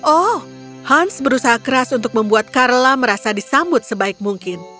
oh hans berusaha keras untuk membuat carla merasa disambut sebaik mungkin